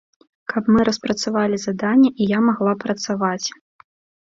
Каб мы распрацавалі заданне і я магла працаваць.